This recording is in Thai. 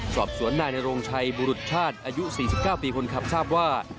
สอบสวนนายนโรงชัยบุรุษชาติอายุ๔๙ปีคนขับทราบว่า